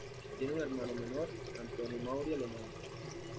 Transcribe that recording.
Tiene un hermano menor, Antonio Mauri Alemán.